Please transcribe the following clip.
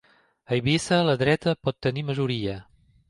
A Eivissa la dreta pot tenir majoria.